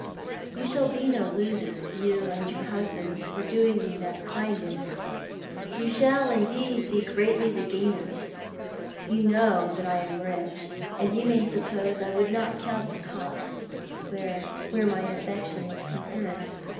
You shall be no losers, you and your husband, for doinpc me that kindness. You shall, indeed, be greatly the gainers. You know that I am rich, and you may suppose I would not count the cost where — wbere my affection was concerned.